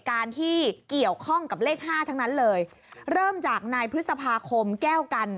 กับเลข๕ทั้งนั้นเลยเริ่มจากนายพฤษภาคมแก้วกัน